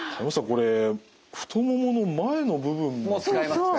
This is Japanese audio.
これ太ももの前の部分も使いますよね。